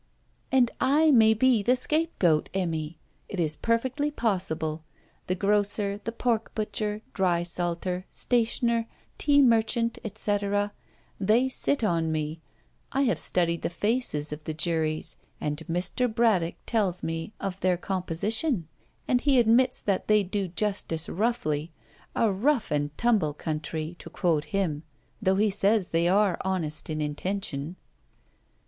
'And I may be the scapegoat, Emmy! It is perfectly possible. The grocer, the pork butcher, drysalter, stationer, tea merchant, et caetera they sit on me. I have studied the faces of the juries, and Mr. Braddock tells me of their composition. And he admits that they do justice roughly a rough and tumble country! to quote him though he says they are honest in intention.'